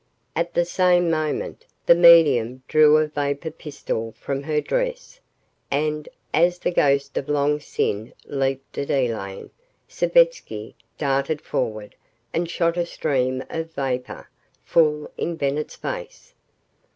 At the same moment, the medium drew a vapor pistol from her dress, and, as the ghost of Long Sin leaped at Elaine, Savetsky darted forward and shot a stream of vapor full in Bennett's face.